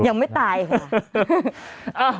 ยังไม่ตายค่ะ